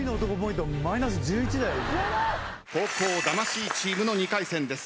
後攻魂チームの２回戦です。